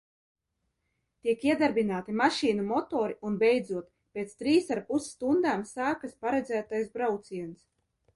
Tiek iedarbināti mašīnu motori un beidzot, pēc trīsarpus stundām, sākas paredzētais brauciens.